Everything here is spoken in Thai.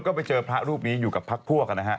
ก็ไปเจอพระรูปนี้อยู่กับพรรคพวก